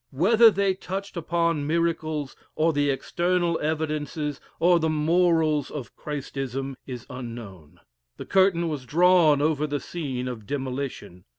Whether they touched upon miracles, or the external evidences, or the morals of Christism, is unknown. The curtain was drawn over the scene of demolition.